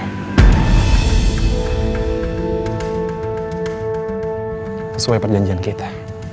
sesuai perjanjian kita